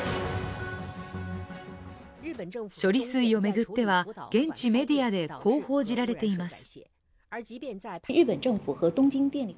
処理水を巡っては、現地メディアでこう報じられています。